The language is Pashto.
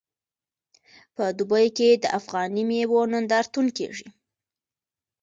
په دوبۍ کې د افغاني میوو نندارتون کیږي.